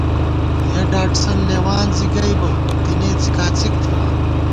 یَہ ڈاٹسَن لېوان زِی گئیبہ، تېنے څِکا څِک تھِمان